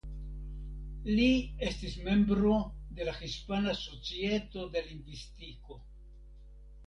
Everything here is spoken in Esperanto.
Li estas membro de la Hispana Societo de Lingvistiko.